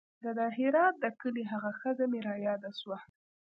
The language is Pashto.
د دهروات د کلي هغه ښځه مې راياده سوه.